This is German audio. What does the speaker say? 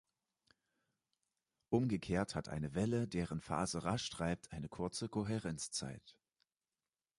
Umgekehrt hat eine Welle, deren Phase rasch treibt, eine kurze Kohärenzzeit.